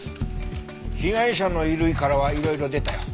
被害者の衣類からはいろいろ出たよ。